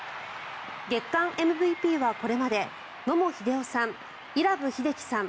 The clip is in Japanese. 月間ＭＶＰはこれまで野茂英雄さん、伊良部秀輝さん